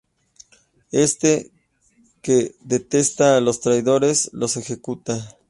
Éste, que detesta a los traidores, los ejecuta.